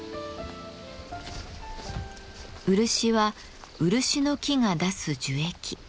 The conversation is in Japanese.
漆は漆の木が出す樹液。